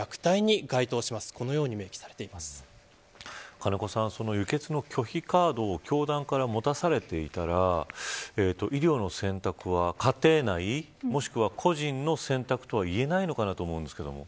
金子さん、輸血の拒否カードを教団から持たされていたら医療の選択は家庭内、もしくは個人の選択とは言えないのかなと思うんですけれども。